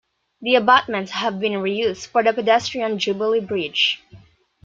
The abutments have been reused for the pedestrian Jubilee Bridge.